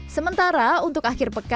sementara untuk akhir pekan